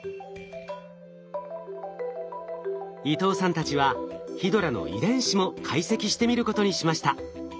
伊藤さんたちはヒドラの遺伝子も解析してみることにしました。